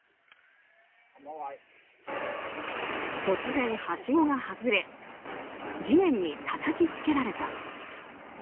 突然はしごが外れ地面にたたきつけられた。